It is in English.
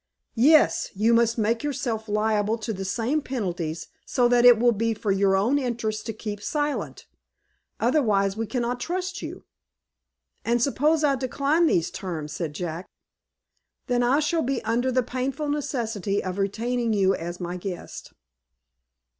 "Yes. You must make yourself liable to the same penalties, so that it will be for your own interest to keep silent. Otherwise we cannot trust you." "And suppose I decline these terms," said Jack. "Then I shall be under the painful necessity of retaining you as my guest."